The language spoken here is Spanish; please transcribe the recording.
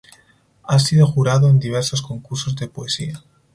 Ha sido jurado en diversos concursos de poesía.